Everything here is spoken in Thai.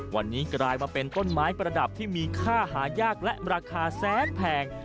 วันนี้กลายมาเป็นต้นไม้ประดับที่มีค่าหายากและราคาแสนแพง